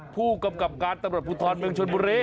ผู้กำกับการตำรวจภูทรเมืองชนบุรี